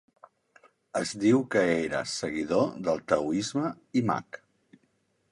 Es diu que era seguidor del taoisme i mag.